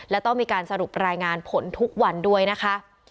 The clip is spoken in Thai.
และต้องมีการสรุปรายงานผลทุกวันด้วยนะคะ